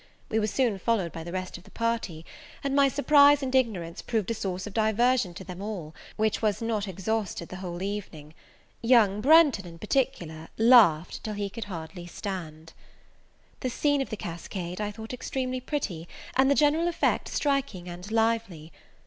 We were soon followed by the rest of the party; and my surprise and ignorance proved a source of diversion to them all, which was not exhausted the whole evening. Young Branghton, in particular, laughed till he could hardly stand. The scene of the cascade I thought extremely pretty, and the general effect striking and lively.